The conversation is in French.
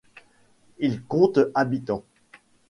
Il compte habitants.